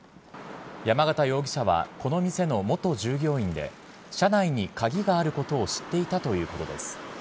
山形容疑者はこの店の元従業員で、車内に鍵があることを知っていたということです。